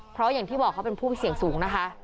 เพราะอย่างที่บอกเขาเป็นผู้เสี่ยงสูงนะคะ